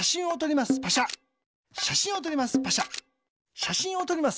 しゃしんをとります。